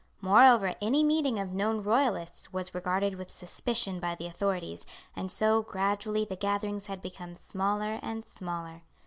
Moreover, any meeting of known Royalists was regarded with suspicion by the authorities, and so gradually the gatherings had become smaller and smaller.